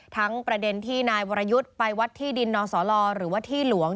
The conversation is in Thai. ประเด็นที่นายวรยุทธ์ไปวัดที่ดินนสลหรือว่าที่หลวง